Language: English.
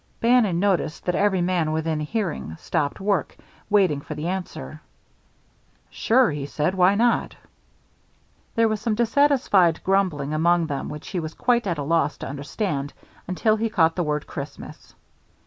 Bannon noticed that every man within hearing stopped work, waiting for the answer. "Sure," he said. "Why not?" There was some dissatisfied grumbling among them which he was quite at a loss to understand until he caught the word "Christmas."